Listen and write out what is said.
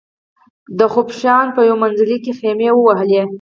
د خبوشان په یو منزلي کې خېمې ووهلې.